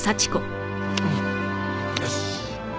よし。